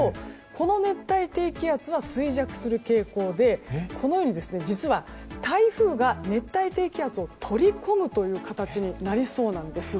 この熱帯低気圧は衰弱する傾向で実は、台風が熱帯低気圧を取り込む形になりそうです。